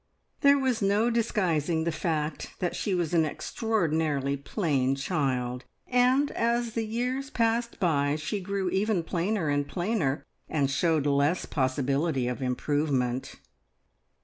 There was no disguising the fact that she was an extraordinarily plain child, and as the years passed by she grew ever plainer and plainer, and showed less possibility of improvement.